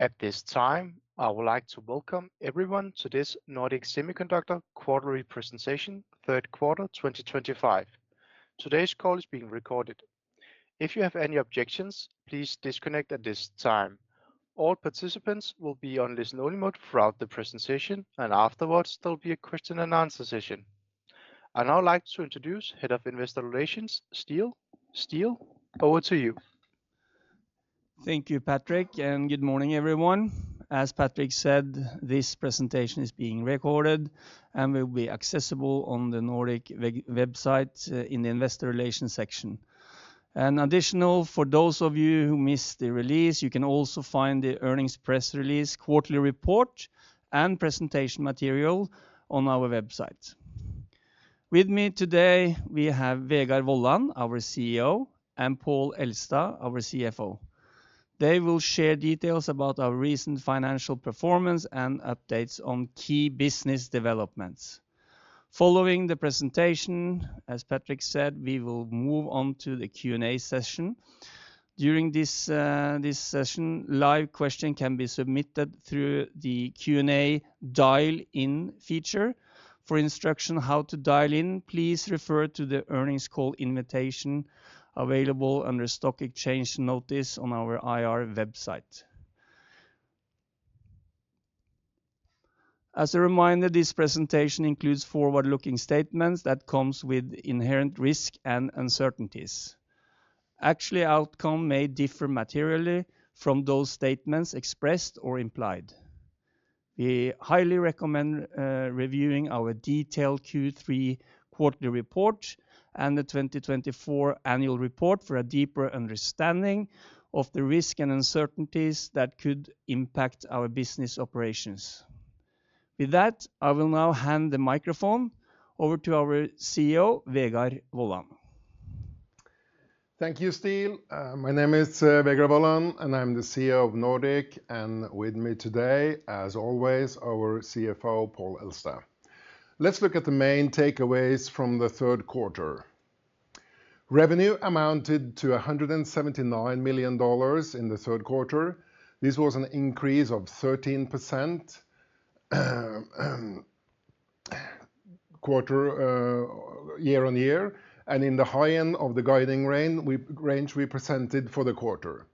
At this time, I would like to welcome everyone to this Nordic Semiconductor Quarterly Presentation, Third Quarter 2025. Today's call is being recorded. If you have any objections, please disconnect at this time. All participants will be on listen-only mode throughout the presentation, and afterwards, there will be a question-and-answer session. I'd now like to introduce Head of Investor Relations, Ståle, Steel, over to you. Thank you, Patrick, and good morning, everyone. As Patrick said, this presentation is being recorded and will be accessible on the Nordic website in the Investor Relations section. And additionally, for those of you who missed the release, you can also find the earnings press release, quarterly report, and presentation material on our website. With me today, we have Vegard Wollan, our CEO, and Pål Elstad, our CFO. They will share details about our recent financial performance and updates on key business developments. Following the presentation, as Patrick said, we will move on to the Q&A session. During this session, live questions can be submitted through the Q&A dial-in feature. For instruction on how to dial in, please refer to the earnings call invitation available under Stock Exchange Notice on our IR website. As a reminder, this presentation includes forward-looking statements that come with inherent risks and uncertainties. Actual outcomes may differ materially from those statements expressed or implied. We highly recommend reviewing our detailed Q3 quarterly report and the 2024 annual report for a deeper understanding of the risks and uncertainties that could impact our business operations. With that, I will now hand the microphone over to our CEO, Vegard Wollan. Thank you, Ståle. My name is Vegard Wollan, and I'm the CEO of Nordic, and with me today, as always, our CFO, Pål Elstad. Let's look at the main takeaways from the third quarter. Revenue amounted to $179 million in the third quarter. This was an increase of 13% year-on-year, and in the high end of the guiding range we presented for the quarter.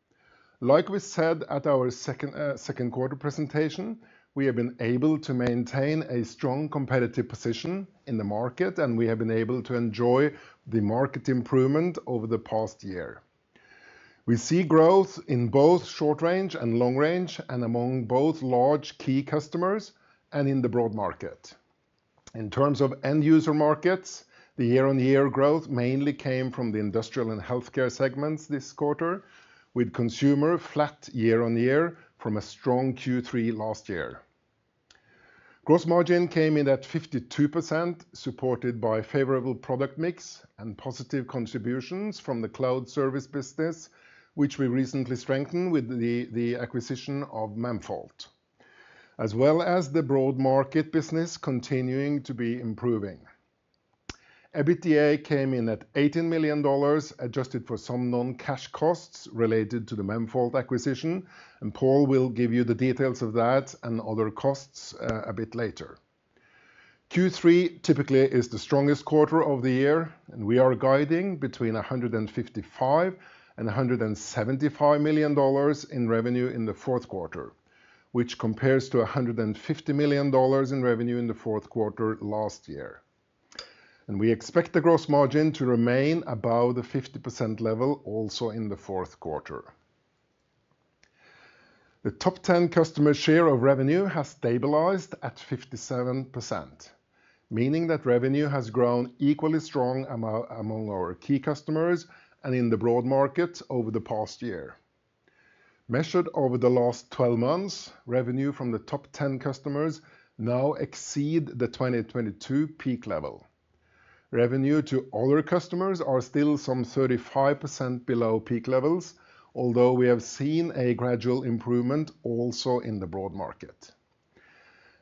Like we said at our second quarter presentation, we have been able to maintain a strong competitive position in the market, and we have been able to enjoy the market improvement over the past year. We see growth in both short-range and long-range, and among both large key customers and in the broad market. In terms of end-user markets, the year-on-year growth mainly came from the industrial and healthcare segments this quarter, with consumer flat year-on-year from a strong Q3 last year. Gross margin came in at 52%, supported by a favorable product mix and positive contributions from the cloud service business, which we recently strengthened with the acquisition of Memfault, as well as the broad market business continuing to be improving. EBITDA came in at $18 million, adjusted for some non-cash costs related to the Memfault acquisition, and Pål will give you the details of that and other costs a bit later. Q3 typically is the strongest quarter of the year, and we are guiding between $155 and $175 million in revenue in the fourth quarter, which compares to $150 million in revenue in the fourth quarter last year. And we expect the gross margin to remain above the 50% level also in the fourth quarter. The top 10 customer share of revenue has stabilized at 57%, meaning that revenue has grown equally strong among our key customers and in the broad market over the past year. Measured over the last 12 months, revenue from the top 10 customers now exceeds the 2022 peak level. Revenue to other customers is still some 35% below peak levels, although we have seen a gradual improvement also in the broad market,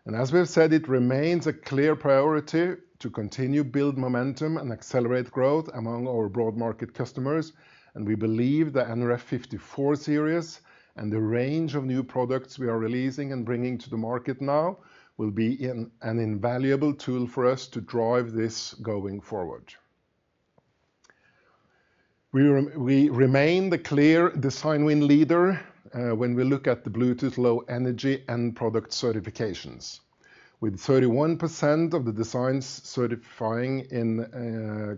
and as we have said, it remains a clear priority to continue to build momentum and accelerate growth among our broad market customers, and we believe the nRF54 series and the range of new products we are releasing and bringing to the market now will be an invaluable tool for us to drive this going forward. We remain the clear design win leader when we look at the Bluetooth Low Energy End Product certifications, with 31% of the designs certifying in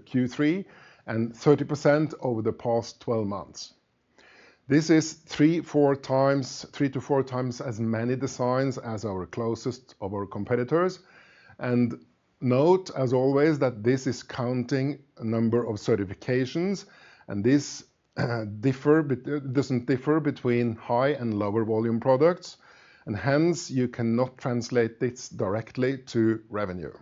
Q3 and 30% over the past 12 months. This is three to four times as many designs as our closest of our competitors. And note, as always, that this is counting the number of certifications, and this doesn't differ between high and lower volume products, and hence you cannot translate this directly to revenue.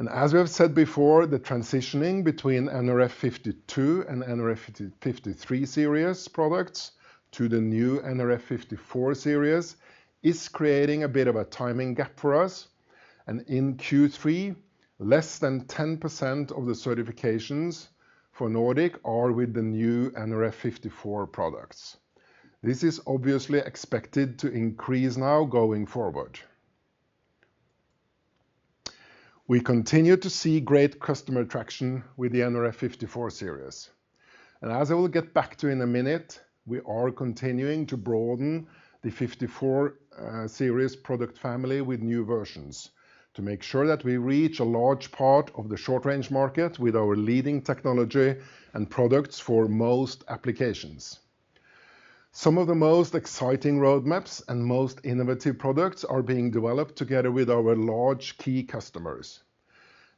And as we have said before, the transitioning between nRF52 and nRF53 series products to the new nRF54 series is creating a bit of a timing gap for us, and in Q3, less than 10% of the certifications for Nordic are with the new nRF54 products. This is obviously expected to increase now going forward. We continue to see great customer traction with the nRF54 series. And as I will get back to in a minute, we are continuing to broaden the 54 series product family with new versions to make sure that we reach a large part of the short-range market with our leading technology and products for most applications. Some of the most exciting roadmaps and most innovative products are being developed together with our large key customers.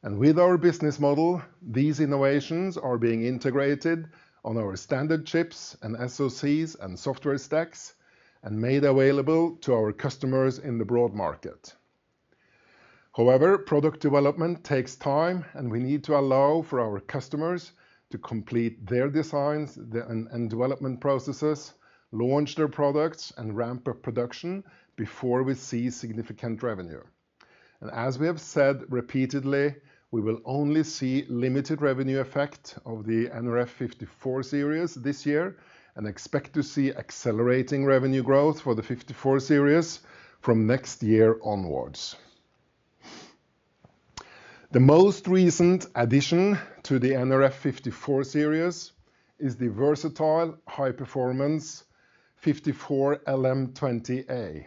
And with our business model, these innovations are being integrated on our standard chips and SoCs and software stacks and made available to our customers in the broad market. However, product development takes time, and we need to allow for our customers to complete their designs and development processes, launch their products, and ramp up production before we see significant revenue. As we have said repeatedly, we will only see limited revenue effect of the nRF54 series this year and expect to see accelerating revenue growth for the 54 series from next year onwards. The most recent addition to the nRF54 series is the versatile high-performance 54LM20A,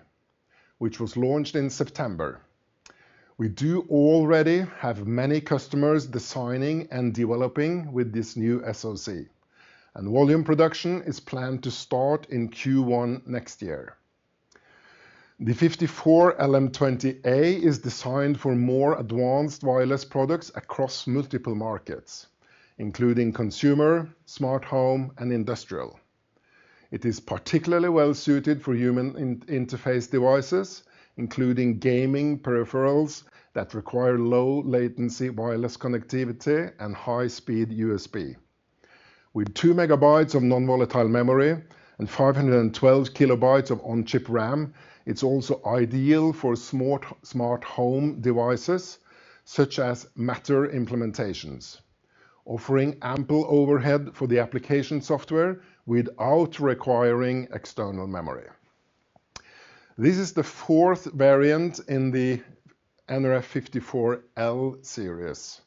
which was launched in September. We do already have many customers designing and developing with this new SoC, and volume production is planned to start in Q1 next year. The 54LM20A is designed for more advanced wireless products across multiple markets, including consumer, smart home, and industrial. It is particularly well-suited for Human Interface Devices, including gaming peripherals that require low-latency wireless connectivity and high-speed USB. With two megabytes of non-volatile memory and 512 KB of on-chip RAM, it's also ideal for smart home devices such as matter implementations, offering ample overhead for the application software without requiring external memory. This is the fourth variant in the nRF54L series.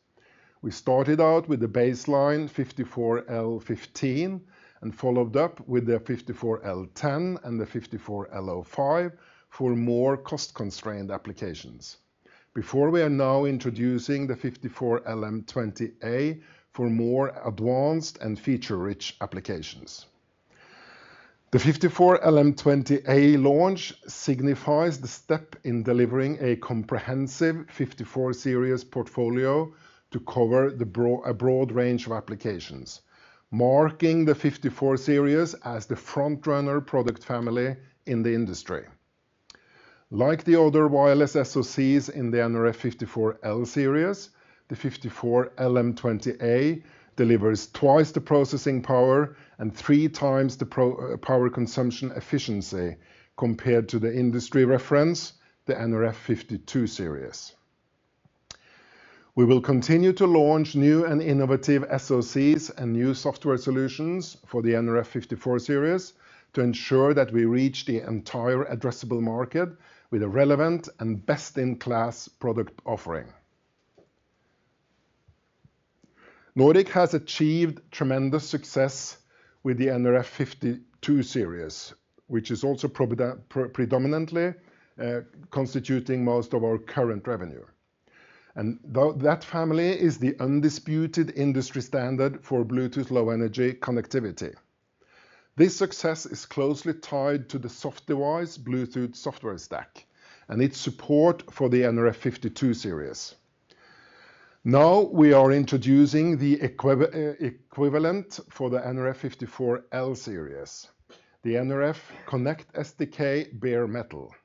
We started out with the baseline 54L15 and followed up with the 54L10 and the 54L05 for more cost-constrained applications, before we are now introducing the 54LM20A for more advanced and feature-rich applications. The 54LM20A launch signifies the step in delivering a comprehensive 54 series portfolio to cover a broad range of applications, marking the 54 series as the front-runner product family in the industry. Like the other wireless SoCs in the nRF54L series, the 54LM20A delivers twice the processing power and three times the power consumption efficiency compared to the industry reference, the nRF52 series. We will continue to launch new and innovative SoCs and new software solutions for the nRF54 series to ensure that we reach the entire addressable market with a relevant and best-in-class product offering. Nordic has achieved tremendous success with the nRF52 series, which is also predominantly constituting most of our current revenue, and that family is the undisputed industry standard for Bluetooth Low Energy connectivity. This success is closely tied to the SoftDevice Bluetooth software stack and its support for the nRF52 series. Now we are introducing the equivalent for the nRF54L series, the nRF Connect SDK Bare Metal.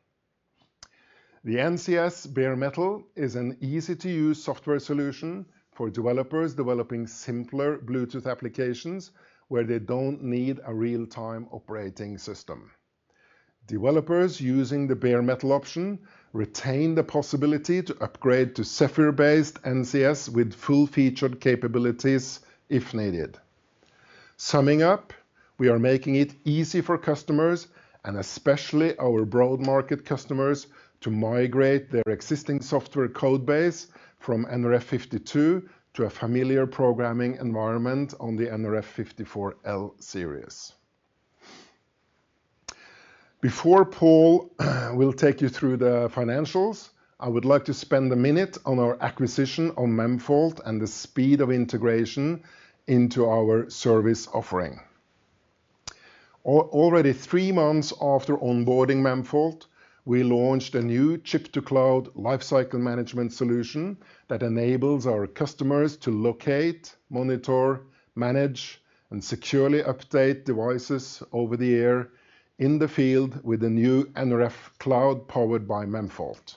The NCS Bare Metal is an easy-to-use software solution for developers developing simpler Bluetooth applications where they don't need a real-time operating system. Developers using the Bare Metal option retain the possibility to upgrade to Zephyr-based NCS with full-featured capabilities if needed. Summing up, we are making it easy for customers, and especially our broad market customers, to migrate their existing software codebase from nRF52 to a familiar programming environment on the nRF54L series. Before Pål will take you through the financials, I would like to spend a minute on our acquisition on Memfault and the speed of integration into our service offering. Already three months after onboarding Memfault, we launched a new chip-to-cloud lifecycle management solution that enables our customers to locate, monitor, manage, and securely update devices over the air in the field with a new nRF cloud powered by Memfault.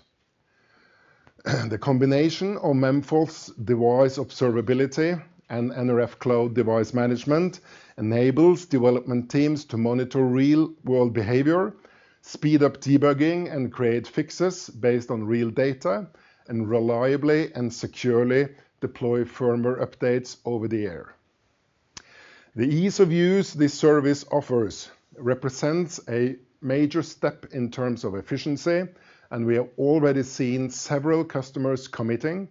The combination of Memfault's device observability and nRF cloud Device Management enables development teams to monitor real-world behavior, speed up debugging, and create fixes based on real data, and reliably and securely deploy firmware updates over the year. The ease of use this service offers represents a major step in terms of efficiency, and we have already seen several customers committing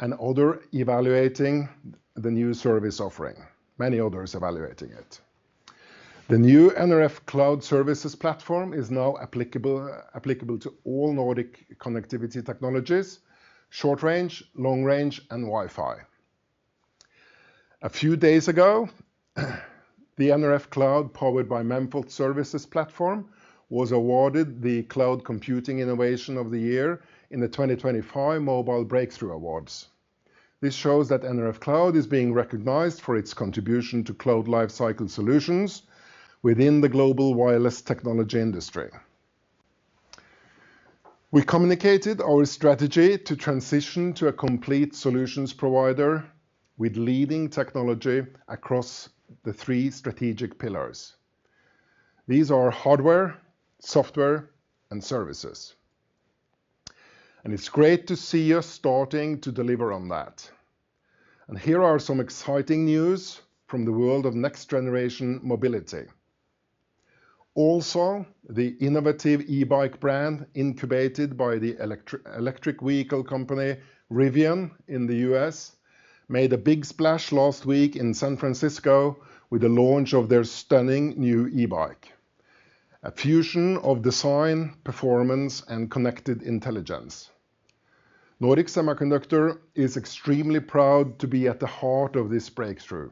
and others evaluating the new service offering, many others evaluating it. The new nRF cloud services platform is now applicable to all Nordic connectivity technologies, short-range, long-range, and Wi-Fi. A few days ago, the nRF cloud powered by Memfault services platform was awarded the Cloud Computing Innovation of the Year in the 2025 Mobile Breakthrough Awards. This shows that nRF cloud is being recognized for its contribution to cloud lifecycle solutions within the global wireless technology industry. We communicated our strategy to transition to a complete solutions provider with leading technology across the three strategic pillars. These are hardware, software, and services, and it's great to see us starting to deliver on that. Here are some exciting news from the world of next-generation mobility. Also, the innovative e-bike brand incubated by the electric vehicle company Rivian in the U.S. made a big splash last week in San Francisco with the launch of their stunning new e-bike, a fusion of design, performance, and connected intelligence. Nordic Semiconductor is extremely proud to be at the heart of this breakthrough,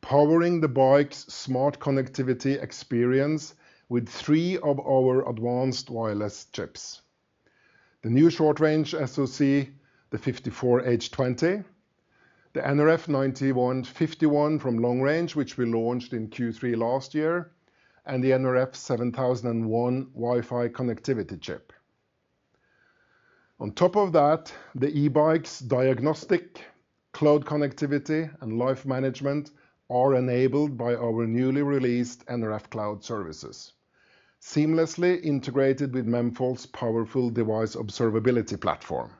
powering the bike's smart connectivity experience with three of our advanced wireless chips: the new short-range SoC, the 54H20, the nRF9151 from long range, which we launched in Q3 last year, and the nRF7001 Wi-Fi connectivity chip. On top of that, the e-bike's diagnostic, cloud connectivity, and life management are enabled by our newly released nRF cloud services, seamlessly integrated with Memfault's powerful device observability platform.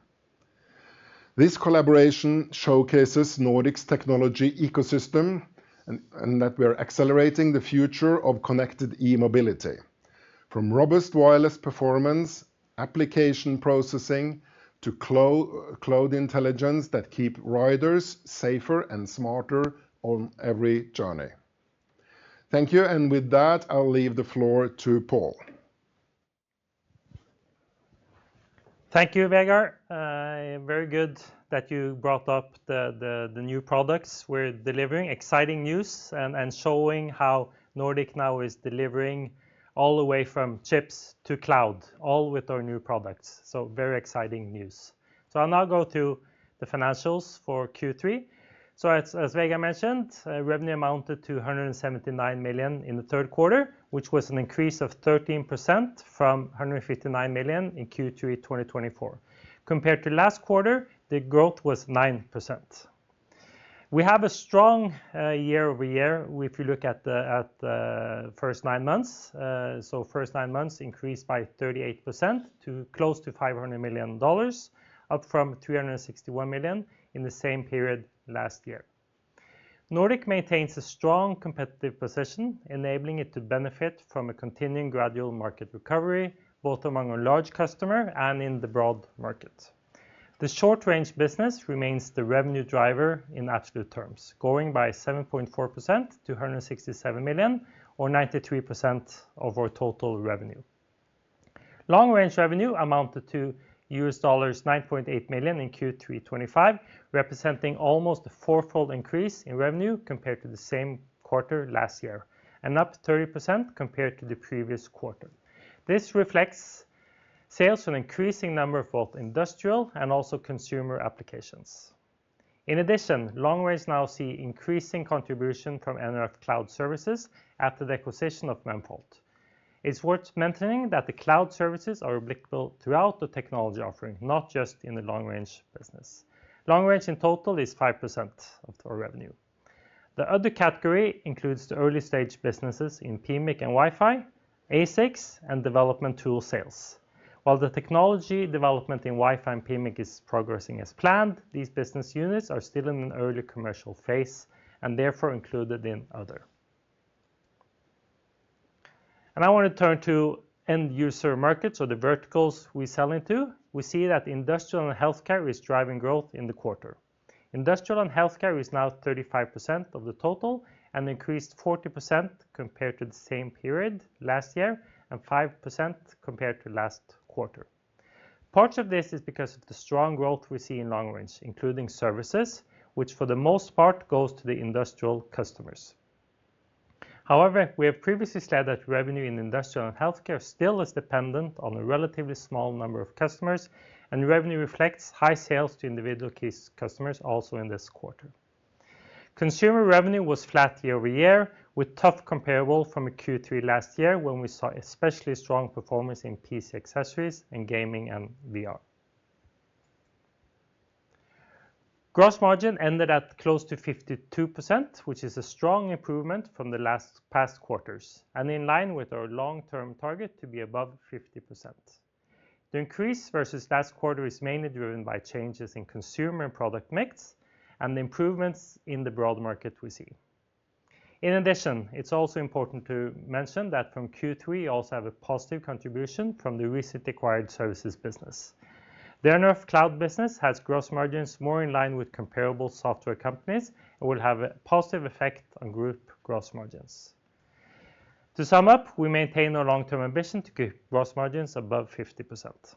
This collaboration showcases Nordic's Technology ecosystem and that we are accelerating the future of connected e-mobility, from robust wireless performance, application processing, to cloud intelligence that keeps riders safer and smarter on every journey. Thank you, and with that, I'll leave the floor to Pål. Thank you, Vegard. I am very good that you brought up the new products we're delivering, exciting news, and showing how Nordic now is delivering all the way from chips to cloud, all with our new products. So very exciting news. So I'll now go to the financials for Q3. So as Vegard mentioned, revenue amounted to $179 million in the third quarter, which was an increase of 13% from $159 million in Q3 2024. Compared to last quarter, the growth was 9%. We have a strong year-over-year if you look at the first nine months. So first nine months increased by 38% to close to $500 million, up from $361 million in the same period last year. Nordic maintains a strong competitive position, enabling it to benefit from a continuing gradual market recovery, both among our large customers and in the broad market. The short-range business remains the revenue driver in absolute terms, growing by 7.4% to $167 million, or 93% of our total revenue. Long-range revenue amounted to $9.8 million in Q3 2025, representing almost a four-fold increase in revenue compared to the same quarter last year, and up 30% compared to the previous quarter. This reflects sales for an increasing number of both industrial and also consumer applications. In addition, long-range now see increasing contribution from nRF cloud services at the acquisition of Memfault. It's worth mentioning that the cloud services are applicable throughout the technology offering, not just in the long-range business. Long-range in total is 5% of our revenue. The other category includes the early-stage businesses in PMIC and Wi-Fi, ASICs, and development tool sales. While the technology development in Wi-Fi and PMIC is progressing as planned, these business units are still in an early commercial phase and therefore included in other, and I want to turn to end-user markets, or the verticals we sell into. We see that industrial and healthcare is driving growth in the quarter. Industrial and healthcare is now 35% of the total and increased 40% compared to the same period last year and 5% compared to last quarter. Parts of this is because of the strong growth we see in long range, including services, which for the most part goes to the industrial customers. However, we have previously said that revenue in industrial and healthcare still is dependent on a relatively small number of customers, and revenue reflects high sales to individual customers also in this quarter. Consumer revenue was flat year-over-year, with tough comparable from Q3 last year when we saw especially strong performance in PC accessories and gaming and VR. Gross margin ended at close to 52%, which is a strong improvement from the last past quarters and in line with our long-term target to be above 50%. The increase versus last quarter is mainly driven by changes in consumer and product mix and the improvements in the broad market we see. In addition, it's also important to mention that from Q3, we also have a positive contribution from the recent acquired services business. The nRF cloud business has gross margins more in line with comparable software companies and will have a positive effect on group gross margins. To sum up, we maintain our long-term ambition to keep gross margins above 50%.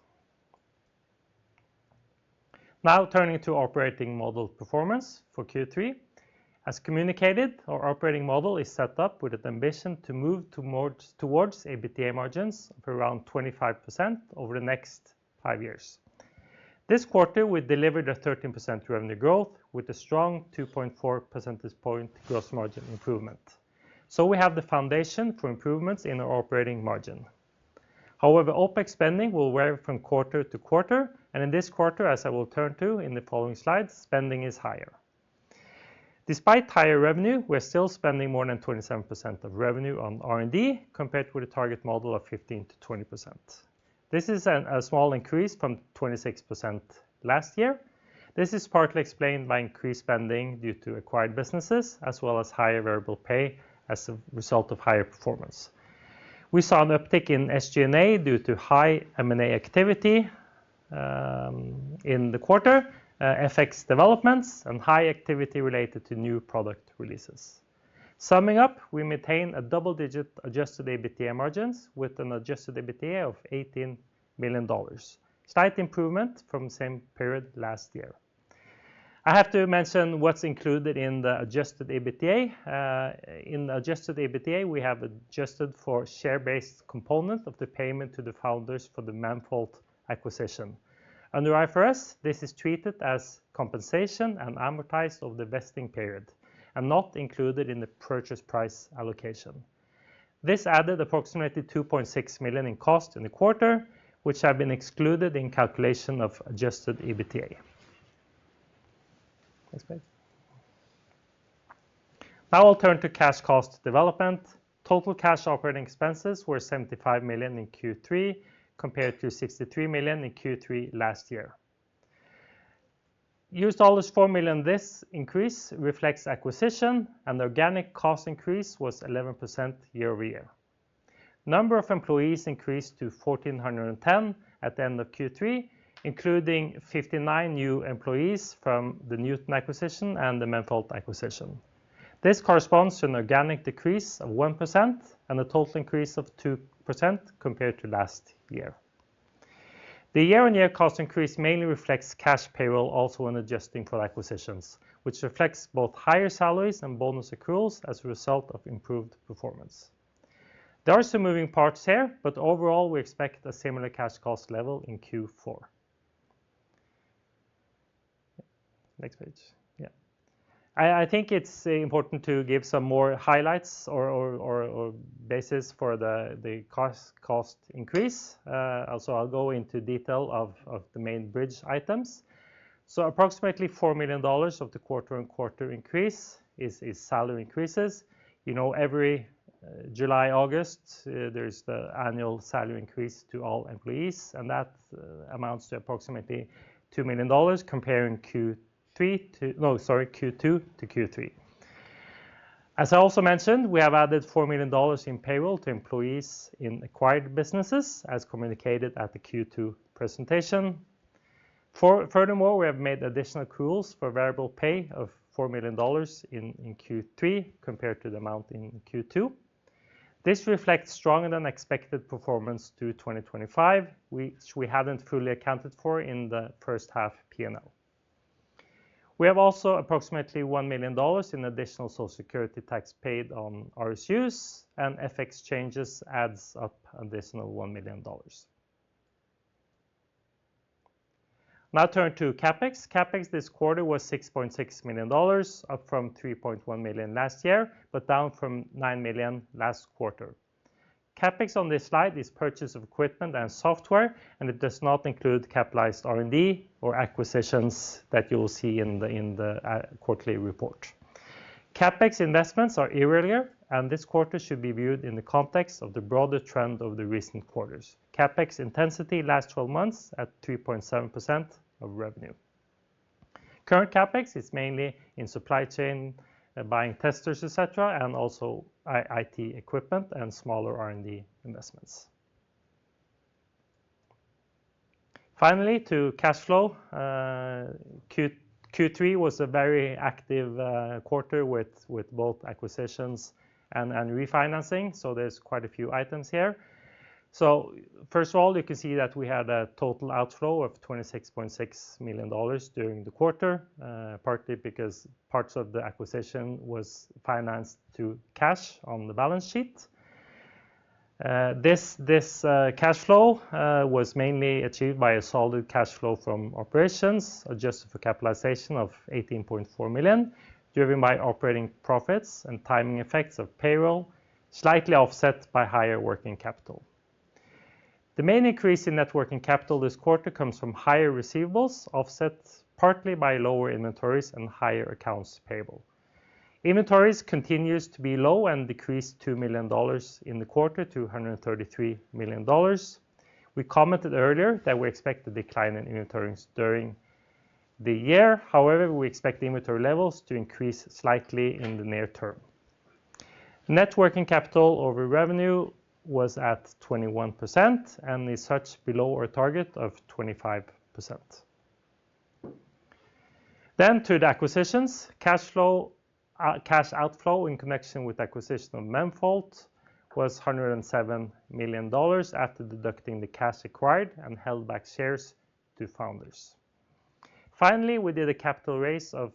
Now turning to operating model performance for Q3, as communicated, our operating model is set up with an ambition to move towards EBITDA margins of around 25% over the next five years. This quarter, we delivered a 13% revenue growth with a strong 2.4 percentage point gross margin improvement. So we have the foundation for improvements in our operating margin. However, OpEx spending will vary from quarter to quarter, and in this quarter, as I will turn to in the following slides, spending is higher. Despite higher revenue, we're still spending more than 27% of revenue on R&D compared with a target model of 15%-20%. This is a small increase from 26% last year. This is partly explained by increased spending due to acquired businesses as well as higher variable pay as a result of higher performance. We saw an uptick in SG&A due to high M&A activity in the quarter, FX developments, and high activity related to new product releases. Summing up, we maintain a double-digit adjusted EBITA margins with an adjusted EBITA of $18 million, slight improvement from the same period last year. I have to mention what's included in the adjusted EBITA. In the adjusted EBITA, we have adjusted for share-based component of the payment to the founders for the Memfault acquisition. Under IFRS, this is treated as compensation and amortized over the vesting period and not included in the purchase price allocation. This added approximately $2.6 million in cost in the quarter, which have been excluded in calculation of adjusted EBITA. Now I'll turn to cash cost development. Total cash operating expenses were $75 million in Q3 compared to $63 million in Q3 last year. $4 million this increase reflects acquisition, and the organic cost increase was 11% year-over-year. Number of employees increased to 1,410 at the end of Q3, including 59 new employees from the Neuton acquisition and the Memfault acquisition. This corresponds to an organic decrease of 1% and a total increase of 2% compared to last year. The year-on-year cost increase mainly reflects cash payroll, also when adjusting for acquisitions, which reflects both higher salaries and bonus accruals as a result of improved performance. There are some moving parts here, but overall, we expect a similar cash cost level in Q4. Next page. Yeah. I think it's important to give some more highlights or basis for the cost increase. So I'll go into detail of the main bridge items. So approximately $4 million of the quarter-on-quarter increase is salary increases. You know, every July, August, there's the annual salary increase to all employees, and that amounts to approximately $2 million comparing Q3 to, no, sorry, Q2-Q3. As I also mentioned, we have added $4 million in payroll to employees in acquired businesses, as communicated at the Q2 presentation. Furthermore, we have made additional accruals for variable pay of $4 million in Q3 compared to the amount in Q2. This reflects stronger than expected performance to 2025, which we haven't fully accounted for in the first half P&L. We have also approximately $1 million in additional Social Security tax paid on RSUs, and FX changes adds up additional $1 million. Now turn to CapEx. CapEx this quarter was $6.6 million, up from $3.1 million last year, but down from $9 million last quarter. CapEx on this slide is purchase of equipment and software, and it does not include capitalized R&D or acquisitions that you'll see in the quarterly report. CapEx investments are earlier, and this quarter should be viewed in the context of the broader trend of the recent quarters. CapEx intensity last 12 months at 3.7% of revenue. Current CapEx is mainly in supply chain, buying testers, etc., and also IT equipment and smaller R&D investments. Finally, to cash flow, Q3 was a very active quarter with both acquisitions and refinancing, so there's quite a few items here. So first of all, you can see that we had a total outflow of $26.6 million during the quarter, partly because parts of the acquisition was financed to cash on the balance sheet. This cash flow was mainly achieved by a solid cash flow from operations, adjusted for capitalization of $18.4 million, driven by operating profits and timing effects of payroll, slightly offset by higher working capital. The main increase in net working capital this quarter comes from higher receivables, offset partly by lower inventories and higher accounts payable. Inventories continues to be low and decreased $2 million in the quarter to $133 million. We commented earlier that we expect a decline in inventories during the year. However, we expect inventory levels to increase slightly in the near term. Net working capital over revenue was at 21% and is such below our target of 25%. Then to the acquisitions, cash outflow in connection with acquisition of Memfault was $107 million after deducting the cash acquired and held-back shares to founders. Finally, we did a capital raise of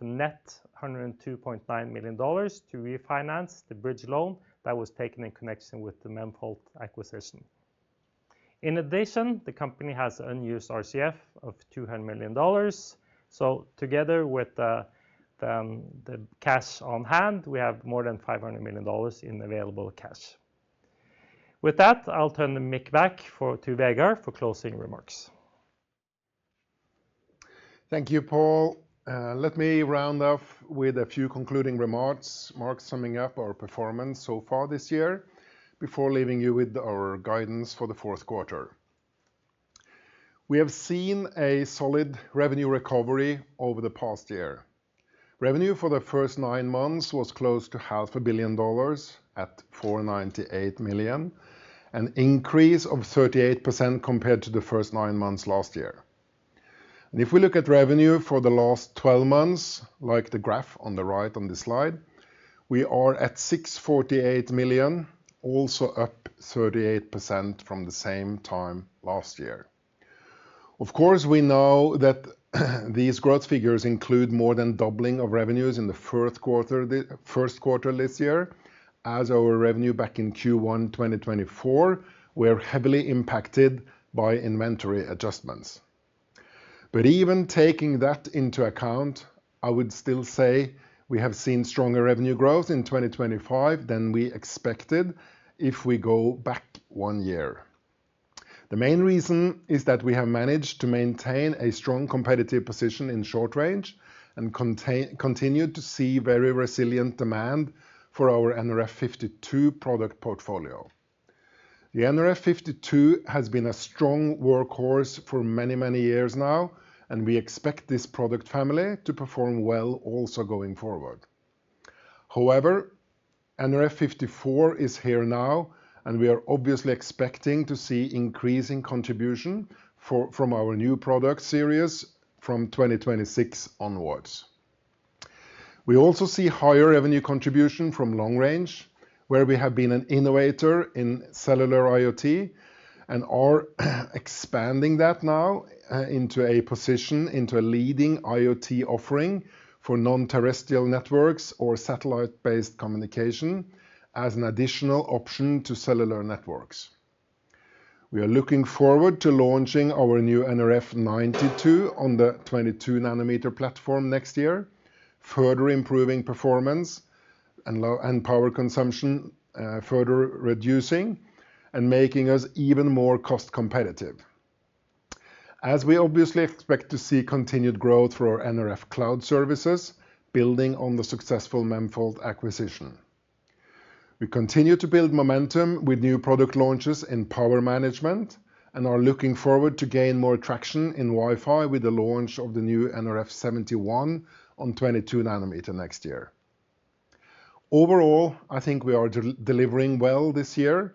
net $102.9 million to refinance the bridge loan that was taken in connection with the Memfault acquisition. In addition, the company has unused RCF of $200 million. So together with the cash on hand, we have more than $500 million in available cash. With that, I'll turn the mic back to Vegard for closing remarks. Thank you, Pål. Let me round off with a few concluding remarks summing up our performance so far this year before leaving you with our guidance for the fourth quarter. We have seen a solid revenue recovery over the past year. Revenue for the first nine months was close to $500 million at $498 million, an increase of 38% compared to the first nine months last year, and if we look at revenue for the last 12 months, like the graph on the right on the slide, we are at $648 million, also up 38% from the same time last year. Of course, we know that these growth figures include more than doubling of revenues in the first quarter this year. As our revenue back in Q1 2024, we're heavily impacted by inventory adjustments. But even taking that into account, I would still say we have seen stronger revenue growth in 2025 than we expected if we go back one year. The main reason is that we have managed to maintain a strong competitive position in short range and continued to see very resilient demand for our nRF52 product portfolio. The nRF52 has been a strong workhorse for many, many years now, and we expect this product family to perform well also going forward. However, nRF54 is here now, and we are obviously expecting to see increasing contribution from our new product series from 2026 onwards. We also see higher revenue contribution from long range, where we have been an innovator in cellular IoT and are expanding that now into a position in a leading IoT offering for non-terrestrial networks or satellite-based communication as an additional option to cellular networks. We are looking forward to launching our new nRF92 on the 22-nanometer platform next year, further improving performance and power consumption, further reducing and making us even more cost competitive. As we obviously expect to see continued growth for our nRF cloud services, building on the successful Memfault acquisition. We continue to build momentum with new product launches in power management and are looking forward to gain more traction in Wi-Fi with the launch of the new nRF71 on 22-nanometer next year. Overall, I think we are delivering well this year.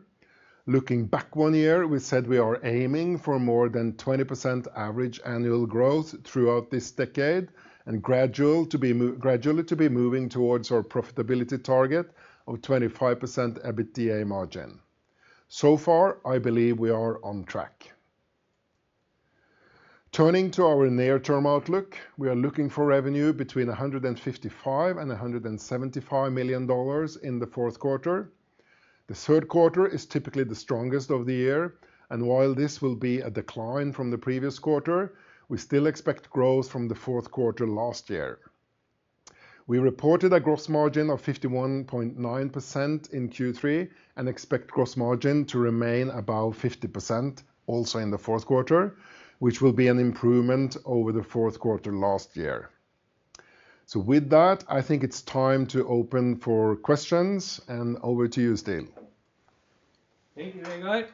Looking back one year, we said we are aiming for more than 20% average annual growth throughout this decade and gradually to be moving towards our profitability target of 25% EBITA margin. So far, I believe we are on track. Turning to our near-term outlook, we are looking for revenue between $155-$175 million in the fourth quarter. The third quarter is typically the strongest of the year, and while this will be a decline from the previous quarter, we still expect growth from the fourth quarter last year. We reported a gross margin of 51.9% in Q3 and expect gross margin to remain above 50% also in the fourth quarter, which will be an improvement over the fourth quarter last year. So with that, I think it's time to open for questions, and over to you, Steel. Thank you, Vegard.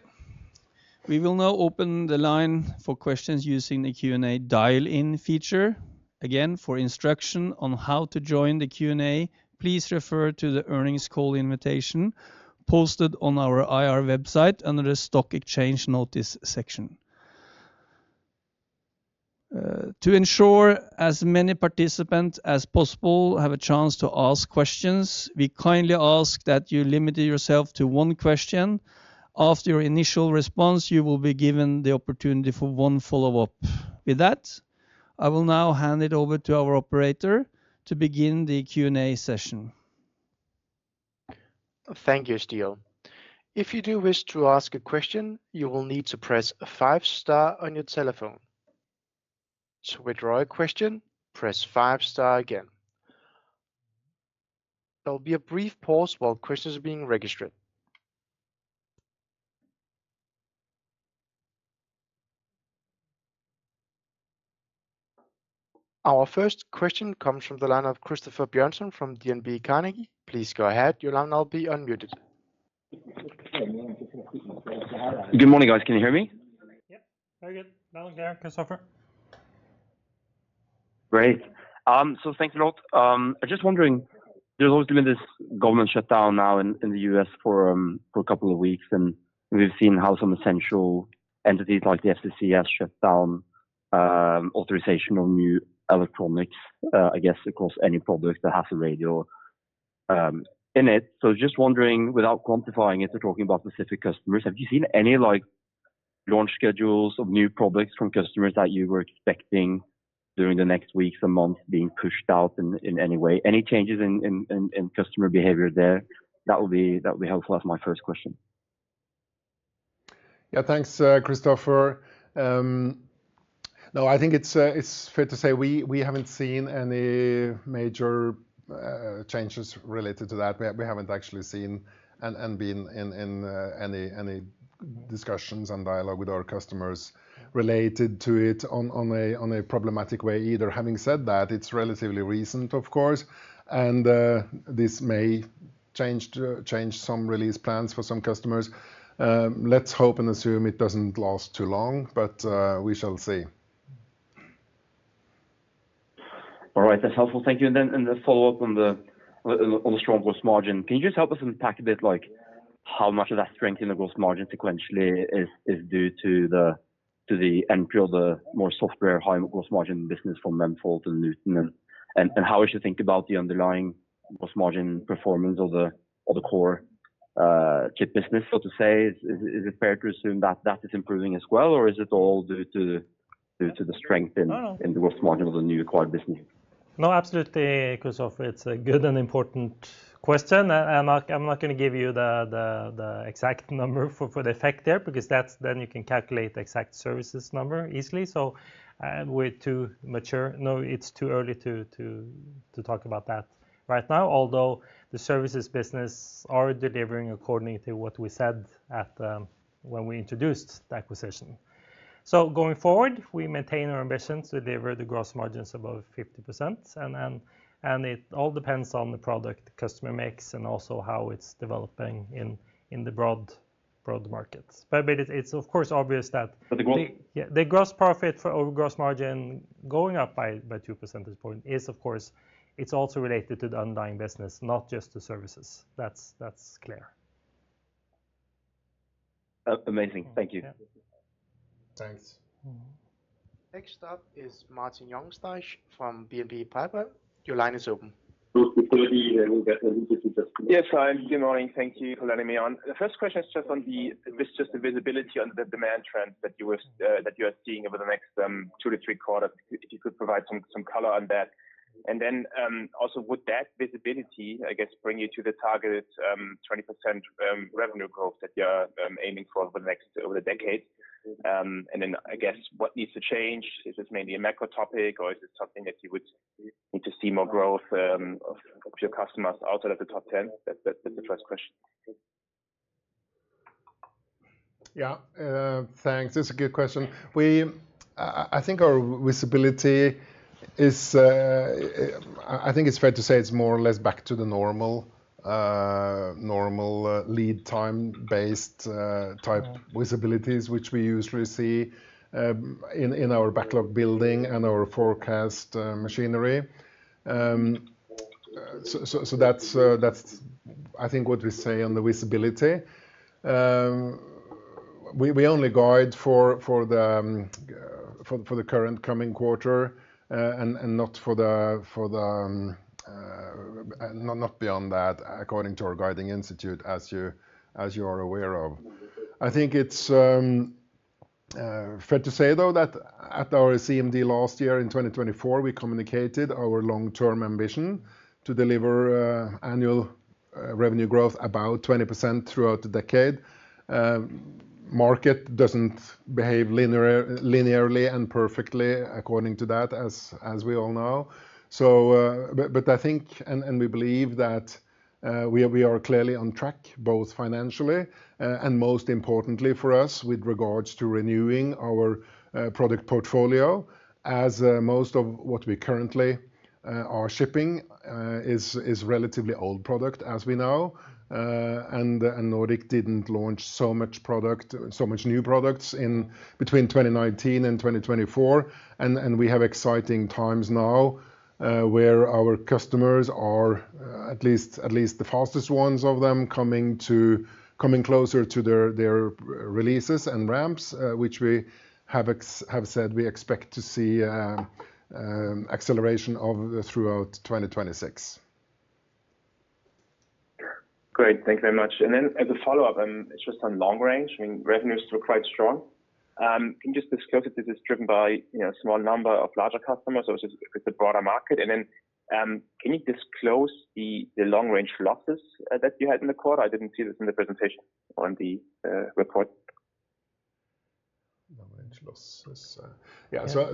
We will now open the line for questions using the Q&A dial-in feature. Again, for instruction on how to join the Q&A, please refer to the earnings call invitation posted on our IR website under the Stock Exchange Notice section. To ensure as many participants as possible have a chance to ask questions, we kindly ask that you limit yourself to one question. After your initial response, you will be given the opportunity for one follow-up. With that, I will now hand it over to our operator to begin the Q&A session. Thank you, Steel. If you do wish to ask a question, you will need to press a five-star on your telephone. To withdraw a question, press five-star again. There will be a brief pause while questions are being registered. Our first question comes from the line of Christoffer Bjørnsen from DNB Carnegie. Please go ahead. Your line will be unmuted. Good morning, guys. Can you hear me? Yep. Very good. No one's there, Christoffer. Great. So thanks a lot. I'm just wondering, there's always been this government shutdown now in the U.S. for a couple of weeks, and we've seen how some essential entities like the FCC's shut down authorization of new electronics, I guess, across any product that has a radio in it. So just wondering, without quantifying it, we're talking about specific customers. Have you seen any launch schedules of new products from customers that you were expecting during the next weeks and months being pushed out in any way? Any changes in customer behavior there? That will be helpful as my first question. Yeah, thanks, Christoffer. No, I think it's fair to say we haven't seen any major changes related to that. We haven't actually seen and been in any discussions and dialogue with our customers related to it in a problematic way. Either having said that, it's relatively recent, of course, and this may change some release plans for some customers. Let's hope and assume it doesn't last too long, but we shall see. All right, that's helpful. Thank you. And then the follow-up on the strong gross margin, can you just help us unpack a bit how much of that strength in the gross margin sequentially is due to the entry of the more software high gross margin business from Memfault and Neuton? And how we should think about the underlying gross margin performance of the core chip business, so to say? Is it fair to assume that that is improving as well, or is it all due to the strength in the gross margin of the new acquired business? No, absolutely, Christoffer. It's a good and important question, and I'm not going to give you the exact number for the effect there because then you can calculate the exact services number easily. It's too early to talk about that right now, although the services business is already delivering according to what we said when we introduced the acquisition, so going forward, we maintain our ambitions to deliver the gross margins above 50%, and it all depends on the product the customer makes and also how it's developing in the broad markets, but it's, of course, obvious that the gross profit for over gross margin going up by 2% at this point is, of course, it's also related to the underlying business, not just the services. That's clear. Amazing. Thank you. Thanks. Next up is Martin Jungfleisch from BNP Paribas. Your line is open. Good morning. Thank you for letting me on. The first question is just on the visibility on the demand trends that you are seeing over the next two to three quarters, if you could provide some color on that. And then also, would that visibility, I guess, bring you to the targeted 20% revenue growth that you're aiming for over the next decade? And then, I guess, what needs to change? Is this maybe a macro topic, or is it something that you would need to see more growth of your customers outside of the top 10? That's the first question. Yeah, thanks. This is a good question. I think our visibility is, I think it's fair to say it's more or less back to the normal lead-time-based type visibilities, which we usually see in our backlog building and our forecast machinery. So that's, I think, what we say on the visibility. We only guide for the current coming quarter and not beyond that, according to our guiding institute, as you are aware of. I think it's fair to say, though, that at our CMD last year in 2024, we communicated our long-term ambition to deliver annual revenue growth about 20% throughout the decade. Market doesn't behave linearly and perfectly according to that, as we all know. But I think, and we believe that we are clearly on track, both financially and most importantly for us, with regards to renewing our product portfolio, as most of what we currently are shipping is relatively old product, as we know. And Nordic didn't launch so much new products between 2019 and 2024. And we have exciting times now where our customers are at least the fastest ones of them coming closer to their releases and ramps, which we have said we expect to see acceleration of throughout 2026. Great. Thank you very much. And then as a follow-up, it's just on long range. I mean, revenues look quite strong. Can you just disclose that this is driven by a small number of larger customers or is it a broader market? And then can you disclose the long-range losses that you had in the quarter? I didn't see this in the presentation or in the report. Long-range losses. Yeah, so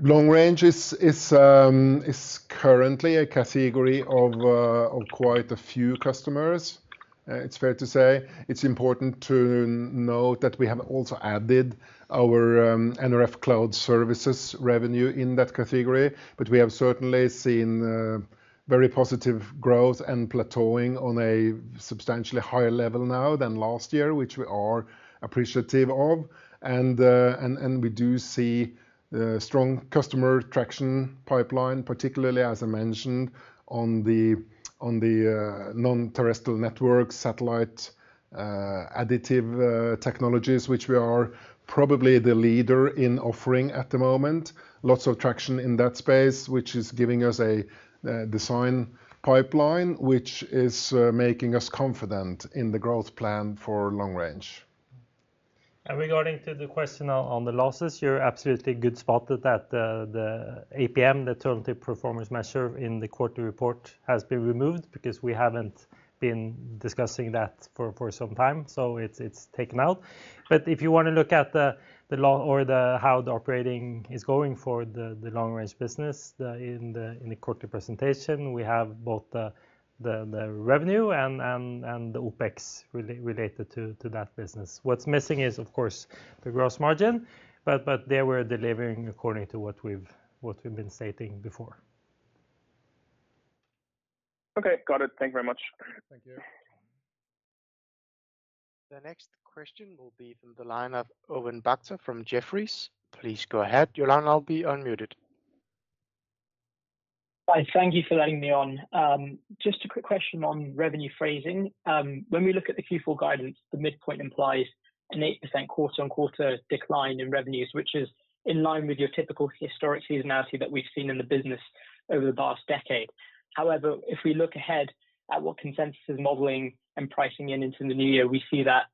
long-range is currently a category of quite a few customers. It's fair to say. It's important to note that we have also added our nRF cloud services revenue in that category, but we have certainly seen very positive growth and plateauing on a substantially higher level now than last year, which we are appreciative of, and we do see strong customer traction pipeline, particularly, as I mentioned, on the non-terrestrial network satellite-additive technologies, which we are probably the leader in offering at the moment. Lots of traction in that space, which is giving us a design pipeline, which is making us confident in the growth plan for long-range. Regarding to the question on the losses, you're absolutely good spot that the APM, the Turntable Performance Measure, in the quarterly report has been removed because we haven't been discussing that for some time. It's taken out. If you want to look at how the operating is going for the long-range business in the quarterly presentation, we have both the revenue and the OpEx related to that business. What's missing is, of course, the gross margin, but they were delivering according to what we've been stating before. Okay, got it. Thank you very much. Thank you. The next question will be from the line of Owen Bennett from Jefferies. Please go ahead. Your line will be unmuted. Hi, thank you for letting me on. Just a quick question on revenue phasing. When we look at the Q4 guidance, the midpoint implies an 8% quarter-on-quarter decline in revenues, which is in line with your typical historic seasonality that we've seen in the business over the past decade. However, if we look ahead at what consensus is modeling and pricing in into the new year, we see that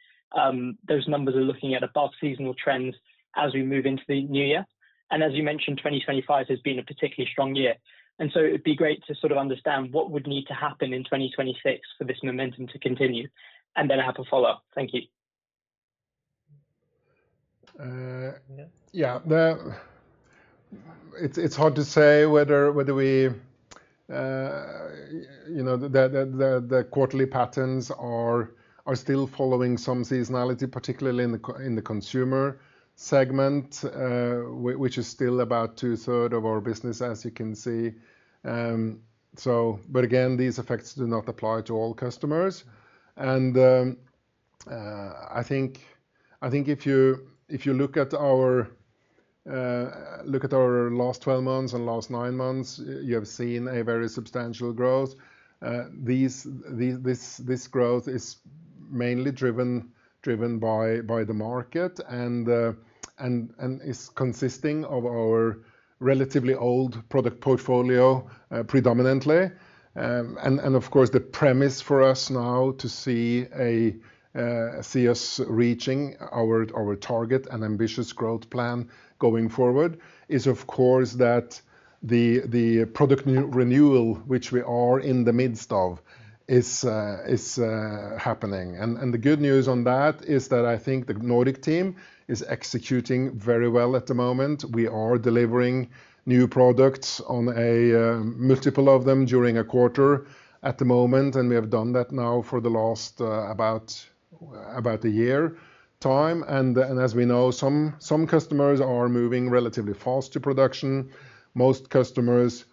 those numbers are looking at above seasonal trends as we move into the new year, and as you mentioned, 2025 has been a particularly strong year, and so it would be great to sort of understand what would need to happen in 2026 for this momentum to continue, and then I have a follow-up. Thank you. Yeah, it's hard to say whether the quarterly patterns are still following some seasonality, particularly in the consumer segment, which is still about two-thirds of our business, as you can see. But again, these effects do not apply to all customers. And I think if you look at our last 12 months and last nine months, you have seen a very substantial growth. This growth is mainly driven by the market and is consisting of our relatively old product portfolio predominantly. And of course, the premise for us now to see a CS reaching our target and ambitious growth plan going forward is, of course, that the product renewal, which we are in the midst of, is happening. And the good news on that is that I think the Nordic team is executing very well at the moment. We are delivering new products on a multiple of them during a quarter at the moment, and we have done that now for the last about a year time. And as we know, some customers are moving relatively fast to production. Most customers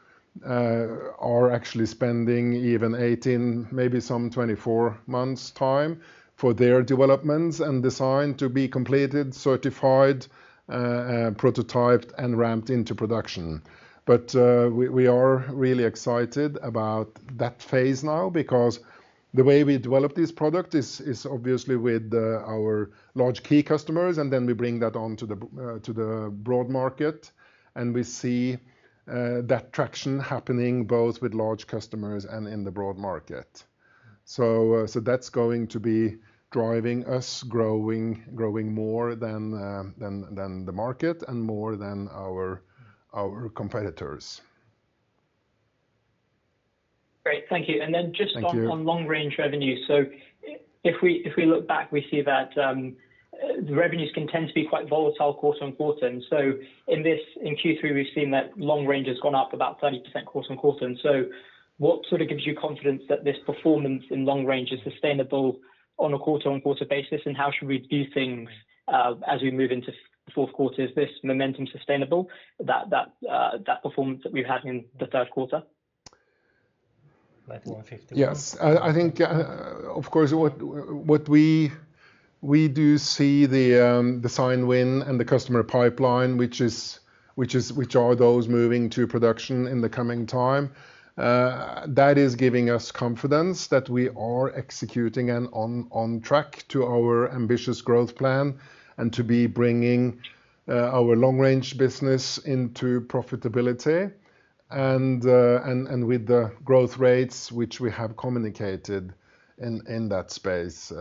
are actually spending even 18, maybe some 24 months time for their developments and design to be completed, certified, prototyped, and ramped into production. But we are really excited about that phase now because the way we develop this product is obviously with our large key customers, and then we bring that onto the broad market, and we see that traction happening both with large customers and in the broad market. So that's going to be driving us growing more than the market and more than our competitors. Great. Thank you. And then just on long-range revenue, so if we look back, we see that revenues can tend to be quite volatile quarter on quarter. And so in Q3, we've seen that long range has gone up about 30% quarter on quarter. And so what sort of gives you confidence that this performance in long range is sustainable on a quarter on quarter basis? And how should we do things as we move into fourth quarter? Is this momentum sustainable, that performance that we've had in the third quarter? Yes. I think, of course, what we do see the design win and the customer pipeline, which are those moving to production in the coming time, that is giving us confidence that we are executing and on track to our ambitious growth plan and to be bringing our long-range business into profitability and with the growth rates which we have communicated in that space.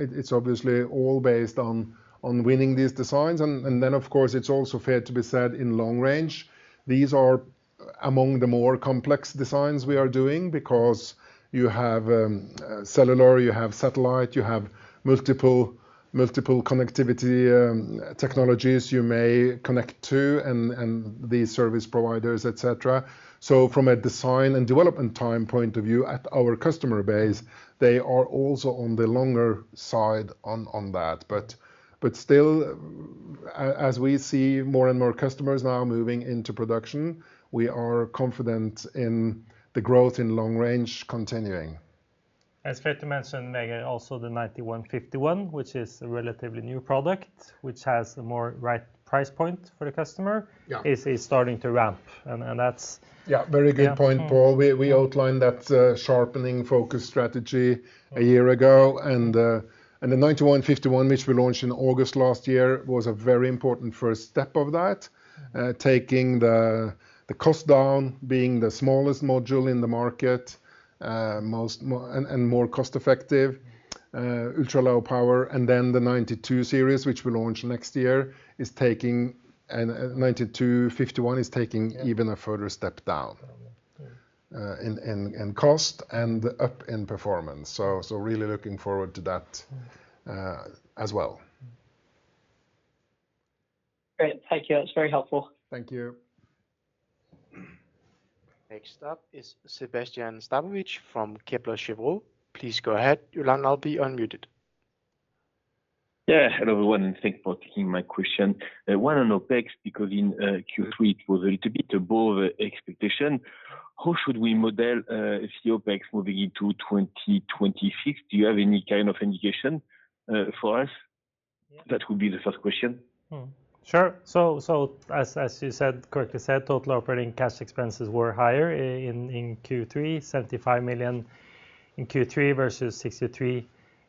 It's obviously all based on winning these designs. And then, of course, it's also fair to say in long range, these are among the more complex designs we are doing because you have cellular, you have satellite, you have multiple connectivity technologies you may connect to, and these service providers, etc. So from a design and development time point of view at our customer base, they are also on the longer side on that. But still, as we see more and more customers now moving into production, we are confident in the growth in long range continuing. And it's fair to mention, Vegard, also the nRF9151, which is a relatively new product, which has a more right price point for the customer, is starting to ramp. And that's. Yeah, very good point, Pål. We outlined that sharpening focus strategy a year ago. And the 9151, which we launched in August last year, was a very important first step of that, taking the cost down, being the smallest module in the market and more cost-effective, ultra-low power. And then the 92 series, which we launched next year, is taking 9251 even a further step down in cost and up in performance. So really looking forward to that as well. Great. Thank you. That's very helpful. Thank you. Next up is Sébastien Sztabowicz from Kepler Cheuvreux. Please go ahead, Your line will be unmuted. Yeah, hello everyone, and thank you for taking my question. One on OpEx, because in Q3, it was a little bit above expectation. How should we model CapEx moving into 2026? Do you have any kind of indication for us? That would be the first question. Sure. So as you said, correctly said, total operating cash expenses were higher in Q3, $75 million in Q3 versus $63 million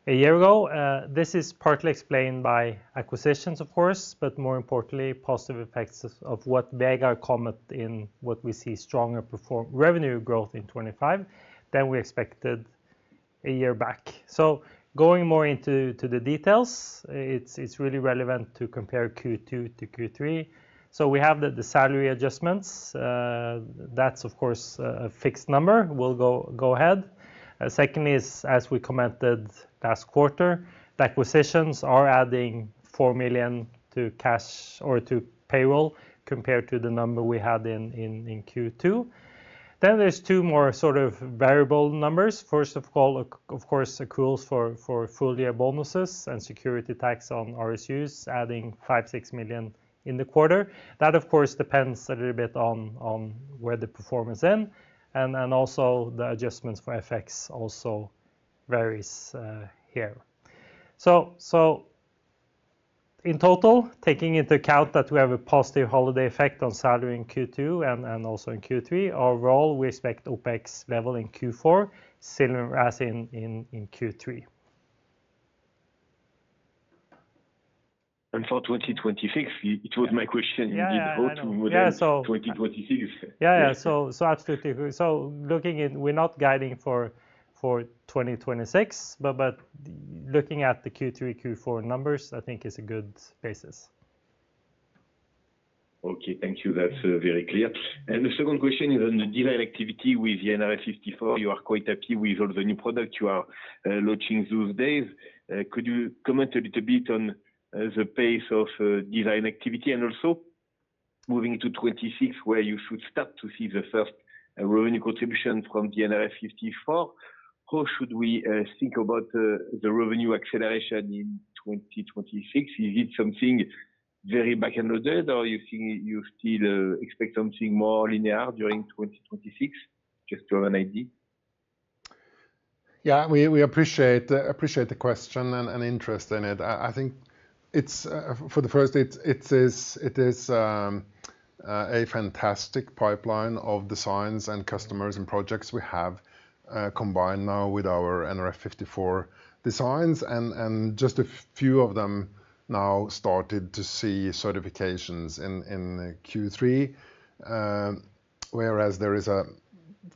a year ago. This is partly explained by acquisitions, of course, but more importantly, positive effects of what Vegard commented in what we see stronger revenue growth in 2025 than we expected a year back. So going more into the details, it is really relevant to compare Q2 to Q3. So we have the salary adjustments. That is, of course, a fixed number. We will go ahead. Secondly, as we commented last quarter, the acquisitions are adding $4 million to cash or to payroll compared to the number we had in Q2. Then there are two more sort of variable numbers. First of all, of course, accruals for full-year bonuses and security tax on RSUs adding $5-6 million in the quarter. That, of course, depends a little bit on where the performance is in, and also the adjustments for FX also varies here, so in total, taking into account that we have a positive holiday effect on salary in Q2 and also in Q3, overall, we expect OpEx level in Q4 similar as in Q3. For 2026, it was my question indeed about 2026. Yeah, so absolutely. So looking at, we're not guiding for 2026, but looking at the Q3, Q4 numbers, I think is a good basis. Okay, thank you. That's very clear. And the second question is on the design activity with the nRF54. You are quite happy with all the new products you are launching these days. Could you comment a little bit on the pace of design activity and also moving to 2026, where you should start to see the first revenue contribution from the nRF54? How should we think about the revenue acceleration in 2026? Is it something very back-ended, or do you still expect something more linear during 2026, just to have an idea? Yeah, we appreciate the question and interest in it. I think for the first, it is a fantastic pipeline of designs and customers and projects we have combined now with our nRF54 designs, and just a few of them now started to see certifications in Q3, whereas there is a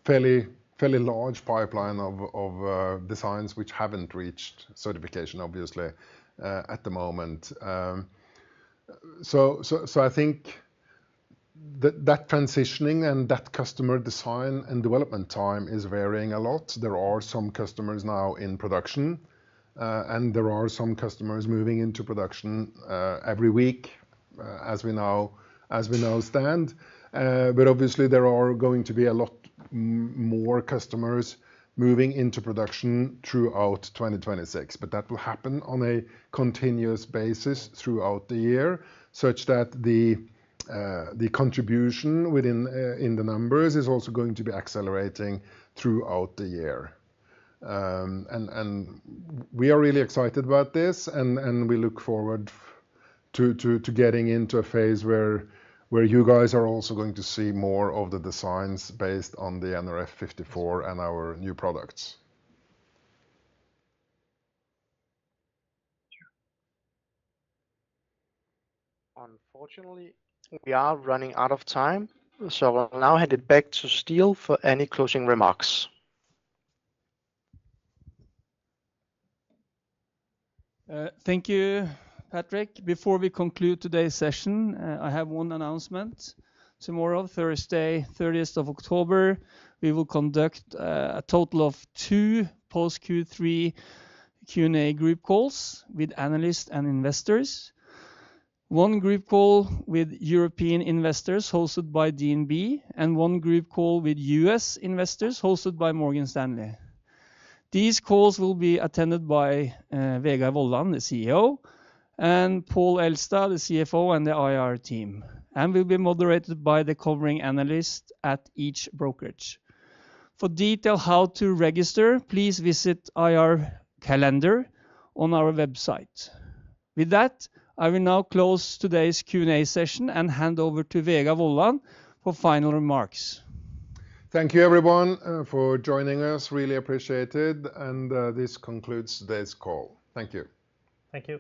fairly large pipeline of designs which haven't reached certification, obviously, at the moment, so I think that transitioning and that customer design and development time is varying a lot. There are some customers now in production, and there are some customers moving into production every week, as we now stand, but obviously, there are going to be a lot more customers moving into production throughout 2026, but that will happen on a continuous basis throughout the year, such that the contribution within the numbers is also going to be accelerating throughout the year. And we are really excited about this, and we look forward to getting into a phase where you guys are also going to see more of the designs based on the nRF54 and our new products. Unfortunately, we are running out of time, so I'll now hand it back to Steel for any closing remarks. Thank you, Patrick. Before we conclude today's session, I have one announcement. Tomorrow, Thursday, 30th of October, we will conduct a total of two post-Q3 Q&A group calls with analysts and investors. One group call with European investors hosted by DNB, and one group call with U.S. investors hosted by Morgan Stanley. These calls will be attended by Vegard Wollan, the CEO, and Pål Elstad, the CFO, and the IR team, and we'll be moderated by the covering analyst at each brokerage. For details on how to register, please visit the IR Calendar on our website. With that, I will now close today's Q&A session and hand over to Vegard Wollan for final remarks. Thank you, everyone, for joining us. Really appreciate it. And this concludes today's call. Thank you. Thank you.